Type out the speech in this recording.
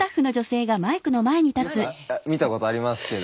よく見たことありますけど。